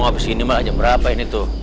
habis ini mah jam berapa ini tuh